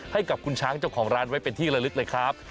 ให้กับคุณช้างเจ้าของร้านไว้เป็นที่ละลึกเลยครับ